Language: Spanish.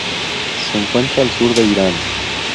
Se encuentra al sur de Irán.